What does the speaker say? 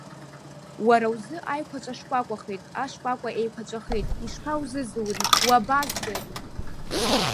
Уара узы аиқәаҵәа шкәакәахеит, ашкәакәа еиқәаҵәахеит, ишԥаузызури, уабазгари?